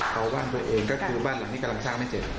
เอาบ้านตัวเองก็คือบ้านหลังนี้กำลังสร้างไม่เสร็จ